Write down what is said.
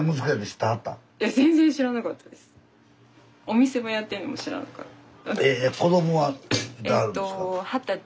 お店もやってるのも知らなかった。